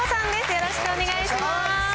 よろしくお願いします。